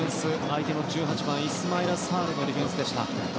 相手の１８番イスマイラ・サールのディフェンスでした。